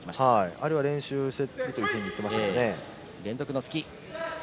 あれを練習していると言ってましたからね。